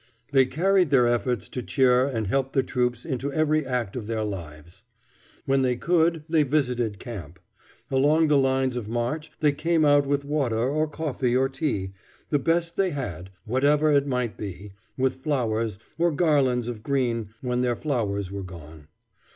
They carried their efforts to cheer and help the troops into every act of their lives. When they could, they visited camp. Along the lines of march they came out with water or coffee or tea, the best they had, whatever it might be, with flowers, or garlands of green when their flowers were gone.